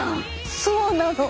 そうなの。